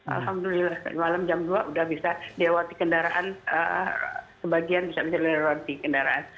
alhamdulillah tadi malam jam dua sudah bisa diawati kendaraan sebagian bisa diawati kendaraan